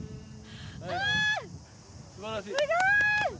すごーい！